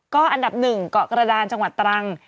ก็อันดับ๑เกาะกระดานจังหวัดตรัง